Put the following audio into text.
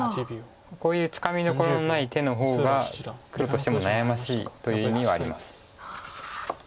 こういうつかみどころのない手の方が黒としても悩ましいという意味はあります。